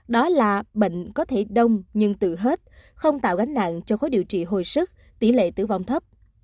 đó là bệnh có thể đông nhưng tự hết không tạo gánh nạn cho khối điều trị hồi sức tỉ lệ tử vong thấp